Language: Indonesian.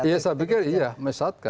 iya saya pikir iya menyesatkan